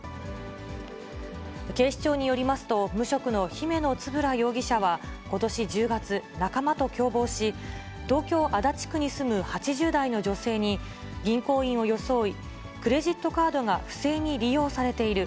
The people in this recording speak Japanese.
警視庁によりますと、無職の姫野円容疑者は、ことし１０月、仲間と共謀し、東京・足立区に住む８０代の女性に、銀行員を装い、クレジットカードが不正に利用されている。